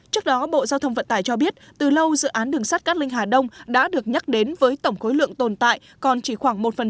trước đó bộ giao thông vận tải cho biết từ lâu dự án đường sát cát linh hà đông đã được nhắc đến với tổng khối lượng tồn tại còn chỉ khoảng một